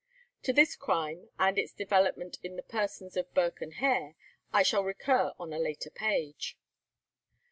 To this crime, and its development in the persons of Burke and Hare, I shall recur on a later page.